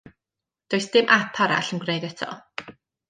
Does dim ap arall yn gwneud eto.